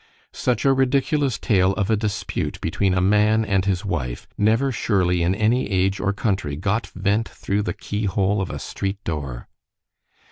Such a ridiculous tale of a dispute between a man and his wife, never surely in any age or country got vent through the key hole of a street door.